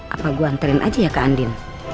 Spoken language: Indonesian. apa gue antren aja ya ke andin